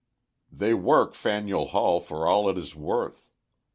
They work Faneuil Hall for all it is worth.